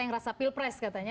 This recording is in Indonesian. yang rasa pilpres katanya